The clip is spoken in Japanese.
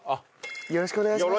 よろしくお願いします。